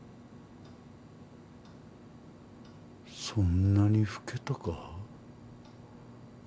そんなに老けたか？